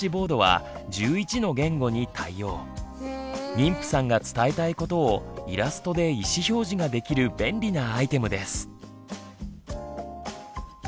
妊婦さんが伝えたいことをイラストで意思表示ができる便利なアイテムです。